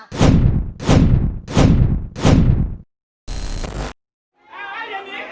แย่อย่างนี้ครับ